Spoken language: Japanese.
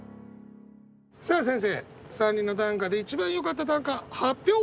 さあ先生３人の短歌で一番よかった短歌発表